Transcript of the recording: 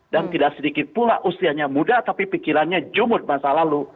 dan tidak sedikit pula usianya muda tapi pikirannya jumut masa lalu